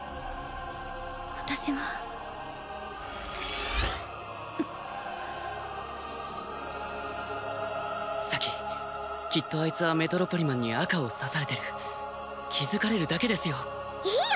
私は咲きっとあいつはメトロポリマンに赤を刺されてる気づかれるだけですよいいよ